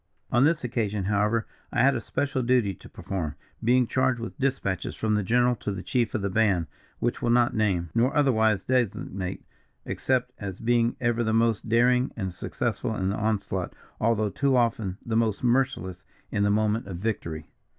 "On this occasion, however, I had a special duty to perform, being charged with dispatches from the general to the chief of the band, which will not name, nor otherwise designate, except as being ever the most daring and successful in the onslaught, although too often the most merciless in the moment of victory."